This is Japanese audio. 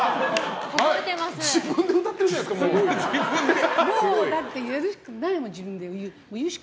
自分で歌ってるじゃないですか。